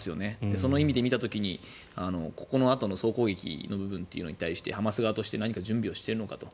その意味で見た時にこのあとの総攻撃の部分に対してハマス側として準備しているのかと。